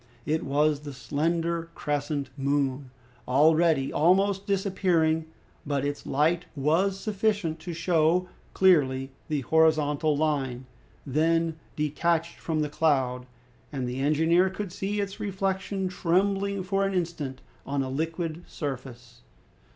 It was the slender crescent moon, already almost disappearing; but its light was sufficient to show clearly the horizontal line, then detached from the cloud, and the engineer could see its reflection trembling for an instant on a liquid surface.